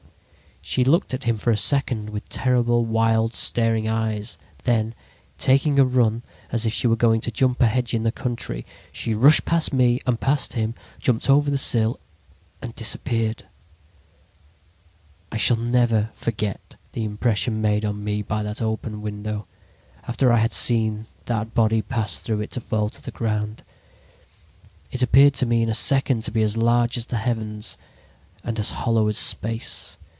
"She looked at him for a second with terrible, wild, staring eyes. Then, taking a run as if she were going to jump a hedge in the country, she rushed past me and past him, jumped over the sill and disappeared. "I shall never forget the impression made on me by that open window after I had seen that body pass through it to fall to the ground. It appeared to me in a second to be as large as the heavens and as hollow as space.